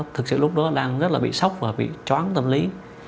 thực sự lúc đó đang rất là bị sốc và bị chóng tâm lý